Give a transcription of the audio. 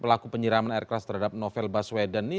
pelaku penyiraman air keras terhadap novel baswedan ini